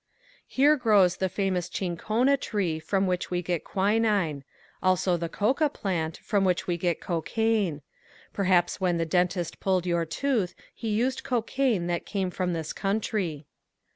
'" Here grows the famous chincona tree from which we get quinine. Also the coca plant from which we get cocaine. Perhaps when the dentist pulled your tooth he used cocaine that came from this country.